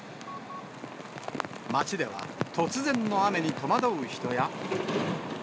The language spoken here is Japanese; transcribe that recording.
街では、突然の雨に戸惑う人や。